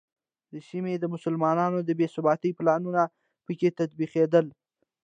د سیمې د مسلمانانو د بې ثباتۍ پلانونه په کې تطبیقېدل.